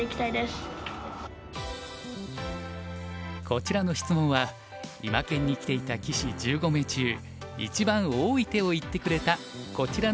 こちらの質問は今研に来ていた棋士１５名中一番多い手を言ってくれたこちらの棋士に伺います。